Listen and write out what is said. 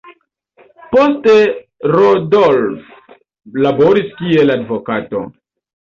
Poste Randolph laboris kiel advokato.